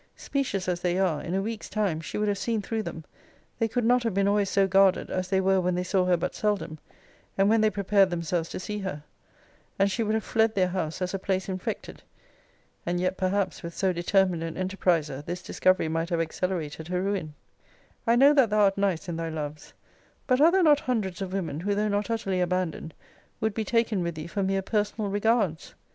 Specious as they are, in a week's time, she would have seen through them; they could not have been always so guarded, as they were when they saw her but seldom, and when they prepared themselves to see her; and she would have fled their house as a place infected. And yet, perhaps, with so determined an enterprizer, this discovery might have accelerated her ruin. I know that thou art nice in thy loves. But are there not hundreds of women, who, though not utterly abandoned, would be taken with thee for mere personal regards!